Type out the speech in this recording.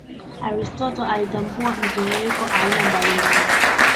Aristotle alitambua mtiririko aina mbali mbali